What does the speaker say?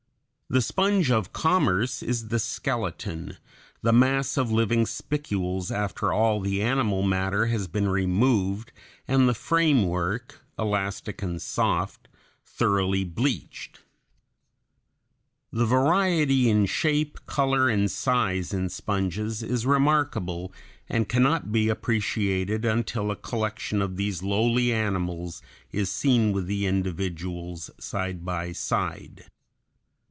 The sponge of commerce is the skeleton, the mass of living spicules after all the animal matter has been removed and the framework, elastic and soft, thoroughly bleached. [Illustration: FIG. 17. Sponges: A, Axinella; B, Sycandra.] The variety in shape, color, and size in sponges is remarkable and can not be appreciated until a collection of these lowly animals is seen with the individuals side by side.